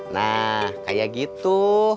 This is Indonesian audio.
nah kayak gitu